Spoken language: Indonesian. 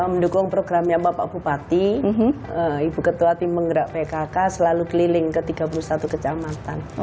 mendukung programnya bapak bupati ibu ketua tim penggerak pkk selalu keliling ke tiga puluh satu kecamatan